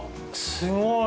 すごい！